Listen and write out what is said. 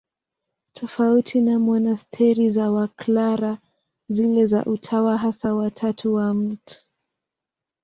Tofauti na monasteri za Waklara, zile za Utawa Hasa wa Tatu wa Mt.